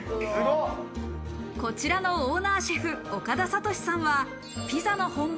こちらのオーナーシェフ、岡田智至さんはピザの本場